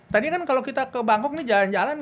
tadi kan kalau kita ke bangkok nih jalan jalan